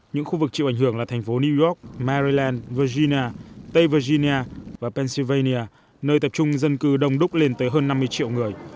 những khu vực chịu ảnh hưởng là thành phố new york maryland virginia tây virginia và pennsylvania nơi tập trung dân cư đông đúc lên tới hơn năm mươi triệu người